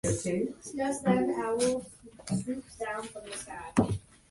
The Assyrians and their allies the Egyptians fought the Babylonians at Harran.